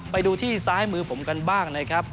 ไปดูที่ซ้ายมือผมกันบ้างนะครับ